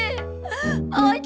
di mana kau cep